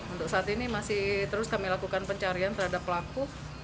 untuk saat ini masih terus kami lakukan pencarian terhadap pelaku